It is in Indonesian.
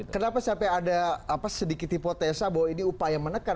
kenapa sampai ada sedikit hipotesa bahwa ini upaya menekan